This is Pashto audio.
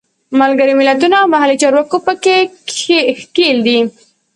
ملګري ملتونه او محلي چارواکي په کې ښکېل دي.